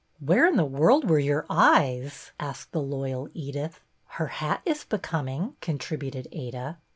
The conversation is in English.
" Where in the world were your eyes ?" asked the loyal Edith. " Her hat is becoming," contributed Ada.